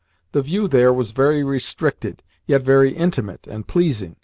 The view there was very restricted, yet very intimate and pleasing.